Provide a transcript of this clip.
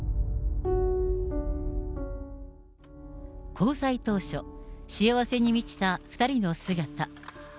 交際当初、幸せに満ちた２人の姿。